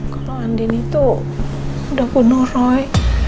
kalau andin itu udah bunuh roy